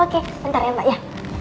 oke sebentar ya mbak ya